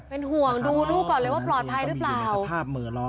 เป็นห่วงดูลูกก่อนเลยว่าปลอดภัยหรือเปล่า